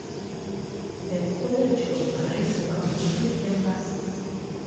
The college operates from three campuses.